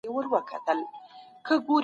د جنایت په صورت کي ژوند اخیستل کېږي.